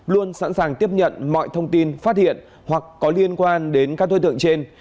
luôn sẵn sàng tiếp nhận mọi thông tin phát hiện hoặc có liên quan đến các đối tượng trên